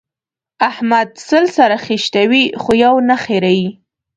احمد سل سره خيشتوي؛ خو يو نه خرېي.